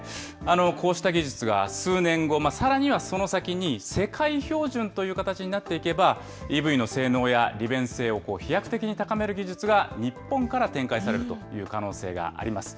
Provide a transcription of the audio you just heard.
こうした技術が数年後、さらにはその先に世界標準という形になっていけば、ＥＶの性能や利便性を飛躍的に高める技術が日本から展開されるという可能性があります。